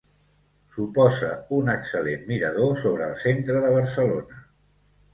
Suposa un excel·lent mirador sobre el centre de Barcelona.